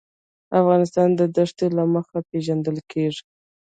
افغانستان د دښتې له مخې پېژندل کېږي.